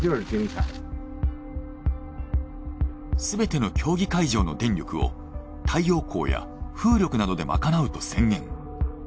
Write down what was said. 全ての競技会場の電力を太陽光や風力などで賄うと宣言。